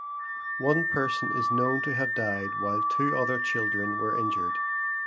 One person is known to have died while two other children were injured.